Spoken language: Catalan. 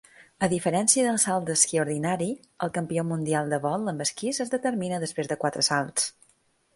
A diferència del salt d'esquí ordinari, el Campió Mundial de Vol amb Esquís es determina després de quatre salts.